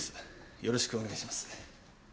よろしくお願いします。